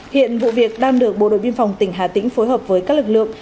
hiện vụ việc đang được bộ đội biên phòng tỉnh hà tĩnh phối hợp với các lực lượng